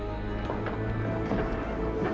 masih ada yang mau ngomong